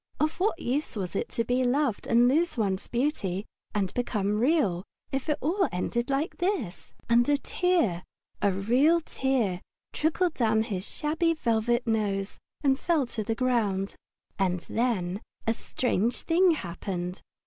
Of what use was it to be loved and lose one's beauty and become Real if it all ended like this? And a tear, a real tear, trickled down his little shabby velvet nose and fell to the ground. And then a strange thing happened.